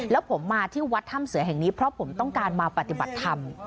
แล้วผมมาที่วัดถ้ำเสือแห่งนี้เพราะผมต้องการมาปฏิบัติธรรม